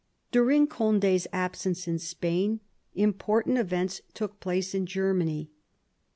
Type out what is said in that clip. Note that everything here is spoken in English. During Condi's absence in Spain important events took place in Germany.